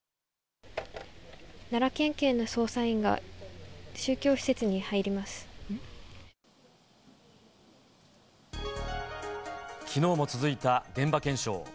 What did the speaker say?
奈良県警の捜査員が、きのうも続いた現場検証。